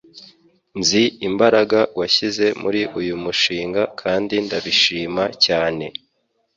Nzi imbaraga washyize muri uyu mushinga kandi ndabishima cyane.